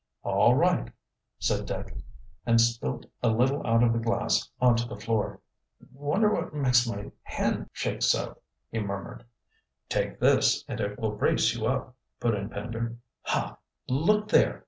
"All right," said Dick, and spilt a little out of the glass onto the floor. "Wonder what makes my hand shake so?" he murmured. "Take this and it will brace you up," put in Pender. "Ha, look there!"